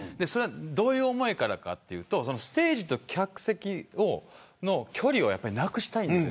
どういう思いからかというとステージと客席の距離をなくしたいんです。